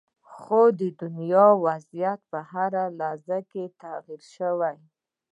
خو د دنیا وضعیت په هر لحاظ تغیر شوې